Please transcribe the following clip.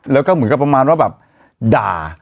เหมือนกับประมาณว่าแบบด่า